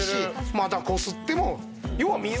またこすっても。